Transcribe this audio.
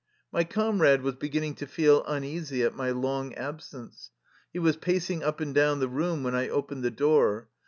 My comrade was beginning to feel uneasy at my long absence. He was pacing up and down the room when I opened the door.